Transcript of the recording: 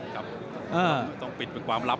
ครับไม่ต้องปิดเป็นความลับ